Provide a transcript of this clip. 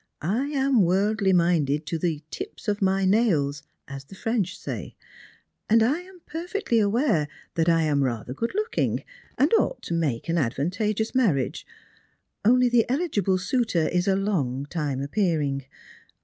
I am worldly minded to the tips of my nails, as the French say ; and I am perfectly aware that I am rather good looking, and ought to make an advantageous marriage ; only the eligible suitor is a long time appearing.